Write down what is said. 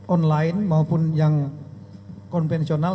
online maupun yang konvensional